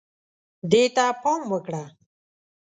دې ته پام وکړه